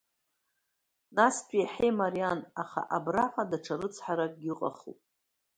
Настәи еиҳа имариан, аха абраҟа даҽа рыцҳаракгьы ыҟахуп.